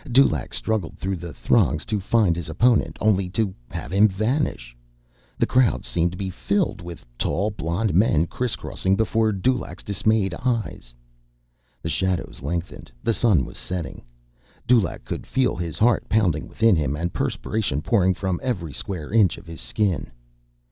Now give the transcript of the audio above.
Dulaq struggled through the throngs to find his opponent, only to have him vanish. The crowd seemed to be filled with tall, blond men crisscrossing before Dulaq's dismayed eyes. The shadows lengthened. The sun was setting. Dulaq could feel his heart pounding within him and perspiration pouring from every square inch of his skin.